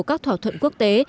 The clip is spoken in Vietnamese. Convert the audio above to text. các thỏa thuận quốc tế